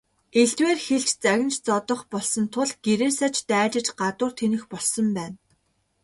Элдвээр хэлж, загнаж зодох болсон тул гэрээсээ ч дайжиж гадуур тэнэх болсон байна.